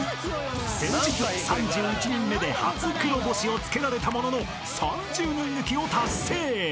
［先日３１人目で初黒星をつけられたものの３０人抜きを達成！］